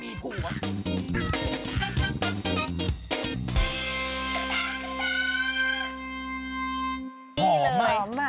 รีบไปแต่งค่ะ